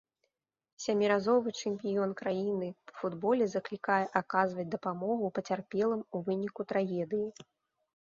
Сяміразовы чэмпіён краіны па футболе заклікае аказваць дапамогу пацярпелым у выніку трагедыі.